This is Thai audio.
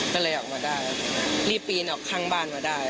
ก็เลยออกมาได้รีบปีนออกข้างบ้านมาได้